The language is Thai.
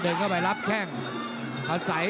เอออย่างไง